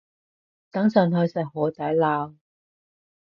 等陣去食海地撈